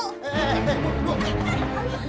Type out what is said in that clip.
eh eh eh buk buk